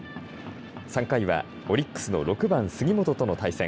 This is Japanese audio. ３回はオリックスの６番杉本との対戦。